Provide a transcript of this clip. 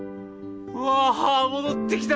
わあ戻ってきた！